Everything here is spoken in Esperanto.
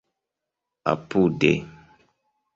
apude